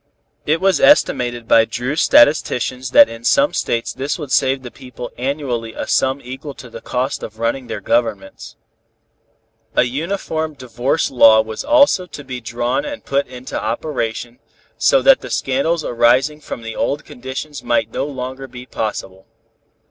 It was estimated by Dru's statisticians that in some States this would save the people annually a sum equal to the cost of running their governments. A uniform divorce law was also to be drawn and put into operation, so that the scandals arising from the old conditions might no longer be possible.